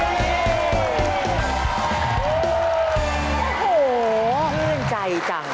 เยื่อนใจจัง